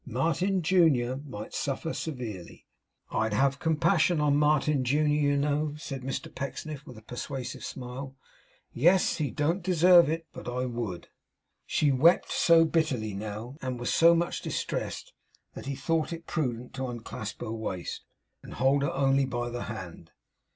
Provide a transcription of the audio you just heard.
Martin junior might suffer severely. I'd have compassion on Martin junior, do you know?' said Mr Pecksniff, with a persuasive smile. 'Yes. He don't deserve it, but I would.' She wept so bitterly now, and was so much distressed, that he thought it prudent to unclasp her waist, and hold her only by the hand.